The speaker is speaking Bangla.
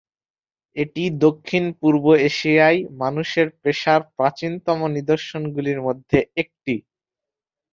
এটি দক্ষিণ-পূর্ব এশিয়ায় মানুষের পেশার প্রাচীনতম নিদর্শনগুলির মধ্যে একটি।